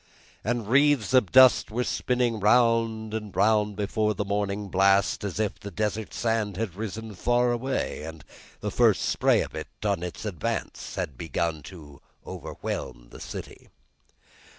And wreaths of dust were spinning round and round before the morning blast, as if the desert sand had risen far away, and the first spray of it in its advance had begun to overwhelm the city.